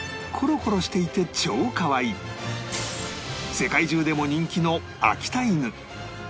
世界中でも人気の秋田犬